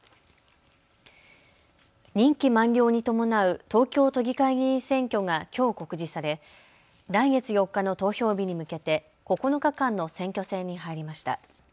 任期満了に伴う東京都議会議員選挙がきょう告示され来月４日の投票日に向けて９日間の選挙戦に入りました。